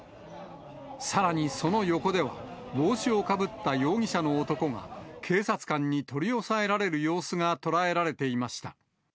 さらにその横では、帽子をかぶった容疑者の男が、警察官に取り押さえられる様子が捉えられていました。